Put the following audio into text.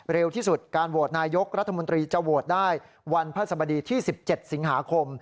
เร็วที่สุดการโหวตนายกรัฐมนตรีจะโหวตได้วันพระสบดีที่๑๗สิงหาคม